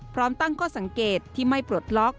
พร้อมตั้งข้อสังเกตที่ไม่ปลดล็อก